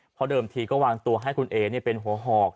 เพราะเดิมทีก็วางตัวให้คุณเอ๋เป็นหัวหอก